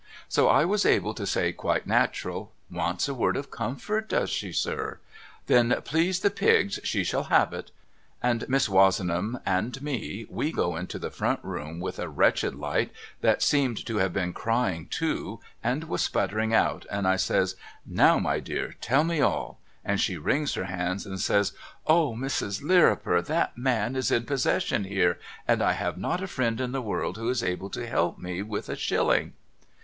So I was able to say quite natural ' Wants a word of comfort does she sir? Then please the pigs she shall have it !' And Miss Wozenham and me we go into the front room with a wretched light that seemed to have been crying too and was sputtering out, and I says ' Now my dear, tell me all,' and she wrings her hands and says ' O Mrs. Lirriper that man is in possession here, and I have not a friend in the world who is able to help me with a shilling.'